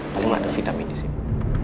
paling ada vitamin di sini